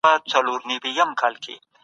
ښوونکی د زدهکوونکو لپاره رول ماډل دی.